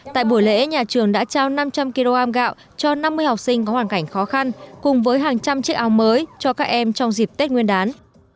tại buổi lễ nhà trường đã trao năm trăm linh kg gạo cho năm mươi học sinh có hoàn cảnh khó khăn cùng với hàng trăm chiếc áo mới cho các em trong dịp tết nguyên đán